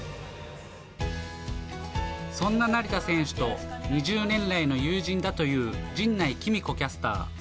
そんな成田選手と、２０年来の友人だという陣内貴美子キャスター。